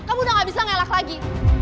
kamu udah gak bisa ngelak lagi